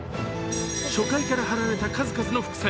初回から張られた数々の伏線。